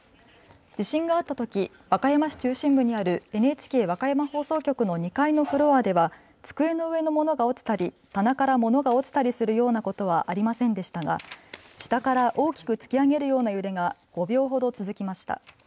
地震があったとき和歌山市中心部にあるＮＨＫ和歌山放送局の２階のフロアでは机の上の物が落ちたり、棚から物が落ちたりするようなことはありませんでしたが下から大きく突き上げるような揺れが５秒ほど続きました。